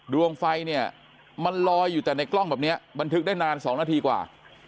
ดวงไฟเนี่ยมันลอยอยู่แต่ในกล้องแบบนี้บันทึกได้นาน๒นาทีกว่า